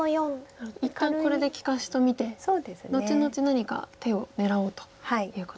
一旦これで利かしと見て後々何か手を狙おうということですね。